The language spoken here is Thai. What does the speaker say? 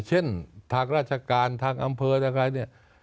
เช่นทางราชการทางอำเภออย่างไรเนี่ย